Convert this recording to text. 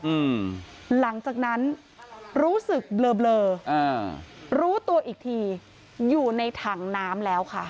อืมหลังจากนั้นรู้สึกเบลอเบลออ่ารู้ตัวอีกทีอยู่ในถังน้ำแล้วค่ะ